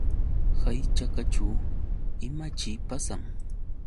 Hay chakaćhu ¿imaćhiki pasan?